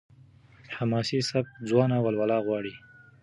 حماسي سبک ځوانه ولوله غواړي.